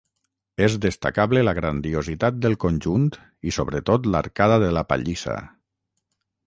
És destacable la grandiositat del conjunt i sobretot l'arcada de la pallissa.